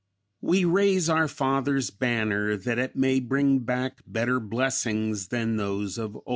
"We raise our father's banner that it may bring back better blessings than those of old